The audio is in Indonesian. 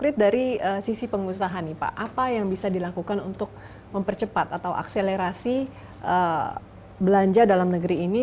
dari sisi pengusaha nih pak apa yang bisa dilakukan untuk mempercepat atau akselerasi belanja dalam negeri ini